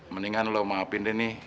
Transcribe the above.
mendingan lo maafin deh nih